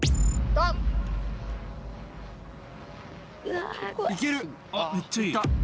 あっめっちゃいい。